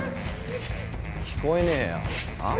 聞こえねえよあぁ？